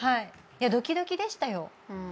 ドキドキでしたよ。